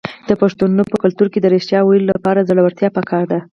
د پښتنو په کلتور کې د ریښتیا ویلو لپاره زړورتیا پکار ده.